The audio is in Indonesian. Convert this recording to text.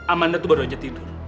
amanda itu baru aja tidur